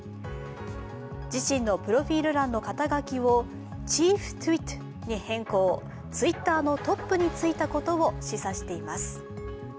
自身のプロフィール欄の肩書をチーフ・ツイットに変更ツイッターのトップに就いたことを示唆しています。